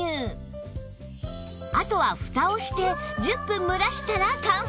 あとはふたをして１０分蒸らしたら完成！